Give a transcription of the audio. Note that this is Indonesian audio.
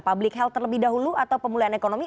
public health terlebih dahulu atau pemulihan ekonomi